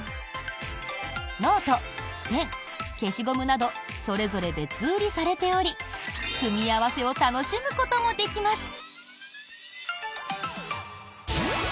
ノート、ペン、消しゴムなどそれぞれ別売りされており組み合わせを楽しむこともできます。